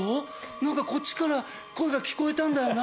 何かこっちから声が聞こえたんだよな。